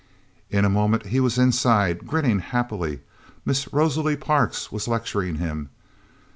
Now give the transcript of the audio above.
In a moment he was inside, grinning happily. Miss Rosalie Parks was lecturing him